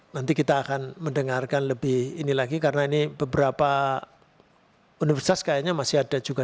nanti kita akan mendengarkan lebih ini lagi karena ini beberapa universitas kayaknya masih ada juga